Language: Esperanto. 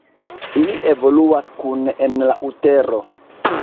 Ili evoluas kune en la utero.